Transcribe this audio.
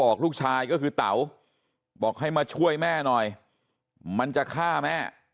ลูกชายก็คือเต๋าบอกให้มาช่วยแม่หน่อยมันจะฆ่าแม่